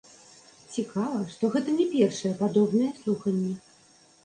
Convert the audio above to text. Цікава, што гэта не першыя падобныя слуханні.